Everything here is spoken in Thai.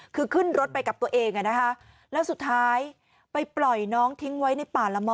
คือขึ้นรถไปกับตัวเองแล้วสุดท้ายไปปล่อยน้องทิ้งไว้ในป่าละม้อ